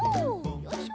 よいしょ。